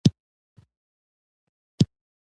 ستراتیژي یوه بشپړه واحده برنامه ده.